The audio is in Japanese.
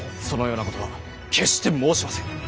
そのようなことは決して申しませぬ。